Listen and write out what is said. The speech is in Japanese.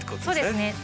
そうですね。